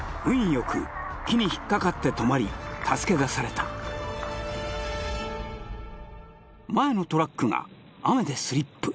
よく木に引っかかって止まり助け出された前のトラックが雨でスリップ